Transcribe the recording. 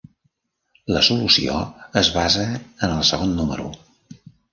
La solució es basa en el segon número.